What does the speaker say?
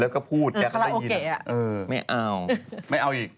ก็พูดแก้ได้ยิน